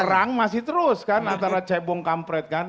perang masih terus kan antara cebong kampret kan